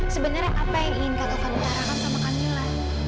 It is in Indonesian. sebenarnya apa yang ingin kak taufan utara kan sama kamila